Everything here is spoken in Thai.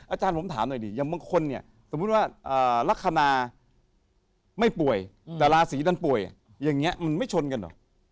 อาจารย์ผมถามหน่อยดีอย่างบางคนเนี่ยสมมุติว่าลักษณะไม่ป่วยแต่ราศีดันป่วยอย่างนี้มันไม่ชนกันเหรอ